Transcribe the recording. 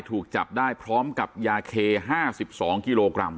ถูกจับได้พร้อมกับยาเค๕๒กิโลกรัม